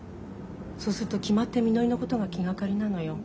そうすると決まってみのりのことが気がかりなのよ。